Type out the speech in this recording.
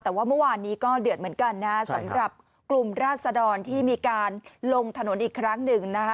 แต่ว่าเมื่อวานนี้ก็เดือดเหมือนกันนะสำหรับกลุ่มราศดรที่มีการลงถนนอีกครั้งหนึ่งนะคะ